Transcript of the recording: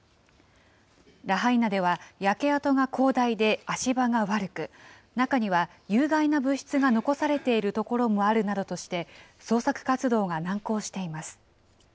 ラハイナでは、焼け跡が広大で足場が悪く、中には、有害な物質が残されている所もあるなどとして、捜索活動が難航しています。